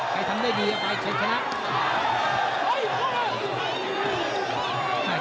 ใครทำได้ดีใครเจ็บขนาด